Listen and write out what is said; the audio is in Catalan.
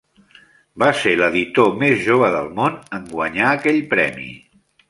Va ser l"editor més jove del món en guanyar aquell premi.